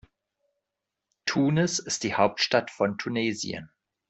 Tunis ist die Hauptstadt von Tunesien.